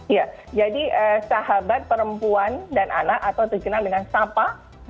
iya jadi sahabat perempuan dan anak atau terkenal dengan sapa